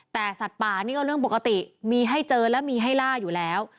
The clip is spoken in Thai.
แต่สัตว์ป่านี่ก็เรื่องปกติมีให้เจอและมีให้ล่าอยู่แล้ว